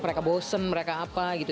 mereka bosen mereka apa gitu